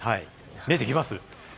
見えてきますね？